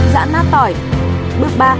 giãn nát tỏi rửa sạch vỏ tỏi